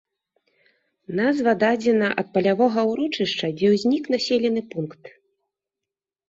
Назва дадзена ад палявога урочышча, дзе ўзнік населены пункт.